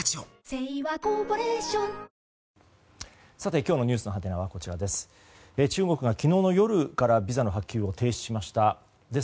今日のｎｅｗｓのハテナはこちらです。